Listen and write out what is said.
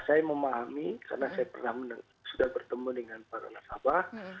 saya memahami karena saya sudah bertemu dengan para nasabah